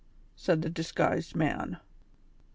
" said the disguised mail.